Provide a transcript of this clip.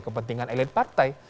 ya kepentingan elit partai